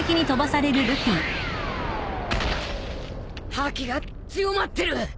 覇気が強まってる！